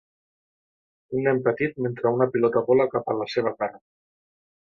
Un nen petit mentre una pilota vola cap a la seva cara.